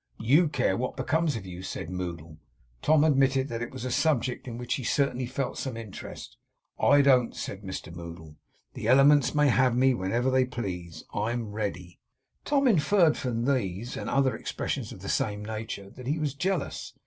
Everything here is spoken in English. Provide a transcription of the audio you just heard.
YOU care what becomes of you?' said Moddle. Tom admitted that it was a subject in which he certainly felt some interest. 'I don't,' said Mr Moddle. 'The Elements may have me when they please. I'm ready.' Tom inferred from these, and other expressions of the same nature, that he was jealous.